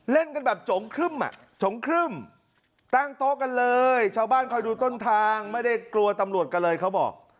เล่นกันแบบโจงครึ่มอ่ะจงครึ่มตั้งโต๊ะกันเลยชาวบ้านคอยดูต้นทางไม่ได้กลัวตำรวจกันเลยเขาบอก